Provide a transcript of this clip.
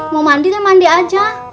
mau mandi mandi aja